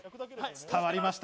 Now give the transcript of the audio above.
伝わりました。